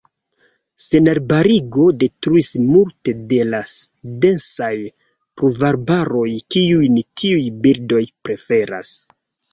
Senarbarigo detruis multe de la densaj pluvarbaroj kiujn tiuj birdoj preferas.